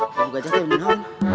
ilmu gajah kaya minang